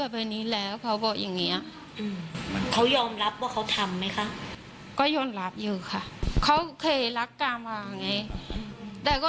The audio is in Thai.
ประมาณเนี้ยค่ะ